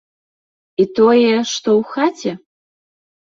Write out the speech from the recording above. І тое, што ў хаце?